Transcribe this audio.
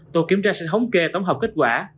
tổ kiểm tra sẽ thống kê tổng hợp kết quả